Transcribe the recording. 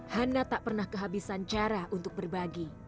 hana tak pernah kehabisan cara untuk berbagi